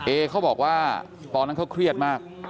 เอเค้าบอกว่าปนั้นเค้าเครียดมาก